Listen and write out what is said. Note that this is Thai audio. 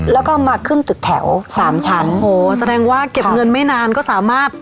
แล้วก็มาขึ้นตึกแถวสามชั้นโอ้โหแสดงว่าเก็บเงินไม่นานก็สามารถ